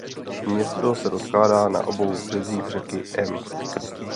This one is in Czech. Město se rozkládá na obou březích řeky Ems.